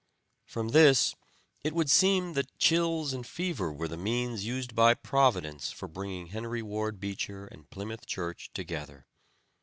From this it would seem that chills and fever were the means used by Providence for bringing Henry Ward Beecher and Plymouth Church together.